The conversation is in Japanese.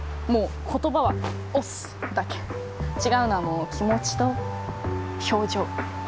もう言葉は押忍だけ違うのはもう気持ちと表情